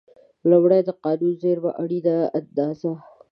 لومړی: د قانوني زېرمو اړینه اندازه.